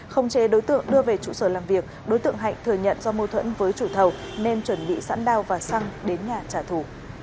không chế đối tượng đưa về trụ sở làm việc đối tượng hạnh thừa nhận do mâu thuẫn với chủ thầu nên chuẩn bị sẵn đao và xăng đến nhà trả thù